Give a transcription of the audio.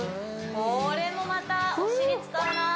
これもまたお尻使うなフー！